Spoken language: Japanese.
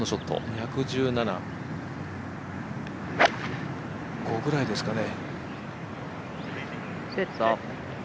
２１７５ぐらいですかね？